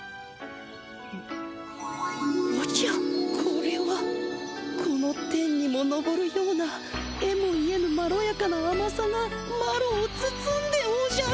おじゃこれはこの天にものぼるようなえも言えぬまろやかなあまさがマロをつつんでおじゃる。